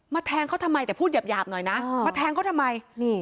แทงเขาทำไมแต่พูดหยาบหน่อยนะมาแทงเขาทำไม